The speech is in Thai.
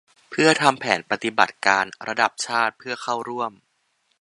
เพื่อทำแผนปฏิบัติการระดับชาติเพื่อเข้าร่วม